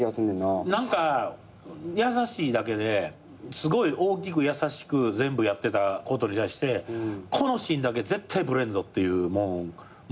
何か優しいだけですごい大きく優しく全部やってたことに対してこのシーンだけ絶対ブレんぞっていうもん持った感じがして。